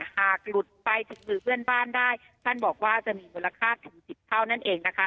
หากหลุดไปถึงมือเพื่อนบ้านได้ท่านบอกว่าจะมีมูลค่าถึง๑๐เท่านั้นเองนะคะ